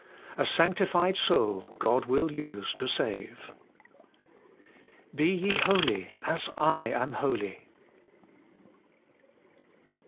A sanctified soul God will use to save. BE YE HOLY, AS I AM HOLY.